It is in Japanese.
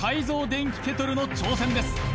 電気ケトルの挑戦です